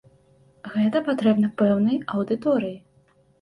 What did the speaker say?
Гэта патрэбна пэўнай аўдыторыі.